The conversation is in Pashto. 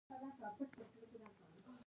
پیرودونکی د جنس کیفیت وستایه.